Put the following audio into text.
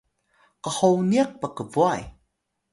qhoniq pkbway